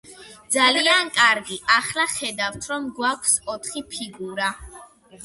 ძალიან კარგი. ახლა ხედავთ, რომ გვაქვს ოთხი ფიგურა.